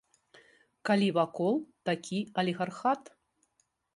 Калі вакол такі алігархат.